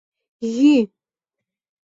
Йӱ!